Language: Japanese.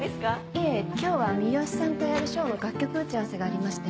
いえ今日は三好さんとやるショーの楽曲打ち合わせがありまして。